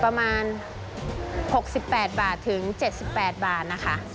ประมาณ๖๘บาทถึง๗๘บาทนะคะ